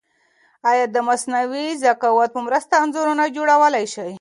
ایا د مصنوعي ذکاوت په مرسته انځورونه جوړولای شئ؟